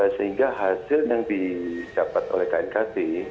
sehingga hasil yang dicapat oleh knkt